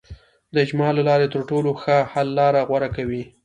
د اجماع له لارې تر ټولو ښه حل لاره غوره کوي.